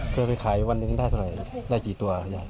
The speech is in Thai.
เคยไปขายวันหนึ่งได้เท่าไหร่ได้กี่ตัว